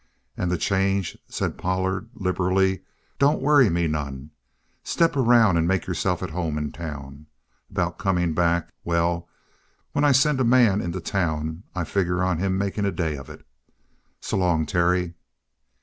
"And the change," said Pollard liberally, "don't worry me none. Step around and make yourself to home in town. About coming back well, when I send a man into town, I figure on him making a day of it. S'long, Terry!"